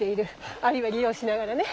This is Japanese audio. あるいは利用しながらね。